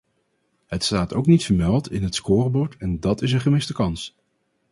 Het staat ook niet vermeld in het scorebord en dat is een gemiste kans.